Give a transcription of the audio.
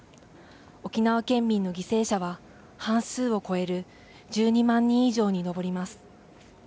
沖縄県民の犠牲者は、半数を超える１２万人以上に上ります。